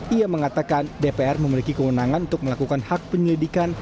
ia mengatakan dpr memiliki kewenangan untuk melakukan hak penyelidikan